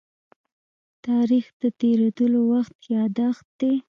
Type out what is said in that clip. تاریخ د تېرېدلو وخت يادښت دی.